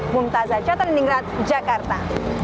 mumtazah chatteliningrat jakarta